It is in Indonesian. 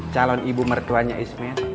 calon ibu mertuanya ismet